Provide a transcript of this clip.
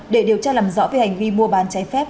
để điều tra làm rõ về hành vi mua bán trái phép